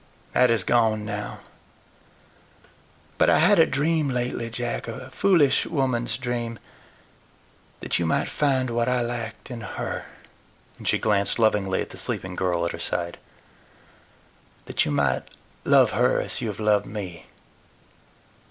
That is gone now. But I had a dream lately, Jack, a foolish woman's dream that you might find what I lacked in HER," and she glanced lovingly at the sleeping girl at her side; "that you might love her as you have loved me.